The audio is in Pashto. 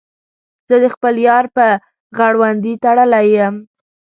زه د خپل یار په غړوندي تړلی یم.